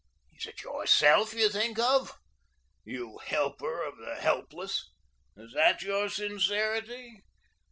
Is it YOURSELF you think of? You helper of the helpless. Is that your sincerity?